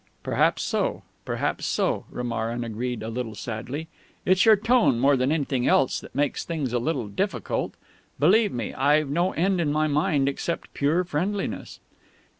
"Perhaps so, perhaps so," Romarin agreed a little sadly. "It's your tone more than anything else that makes things a little difficult. Believe me, I've no end in my mind except pure friendliness."